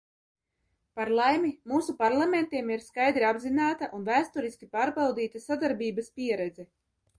Par laimi, mūsu parlamentiem ir skaidri apzināta un vēsturiski pārbaudīta sadarbības pieredze.